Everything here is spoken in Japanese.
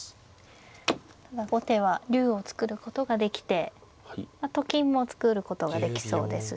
ただ後手は竜を作ることができてと金も作ることができそうですし。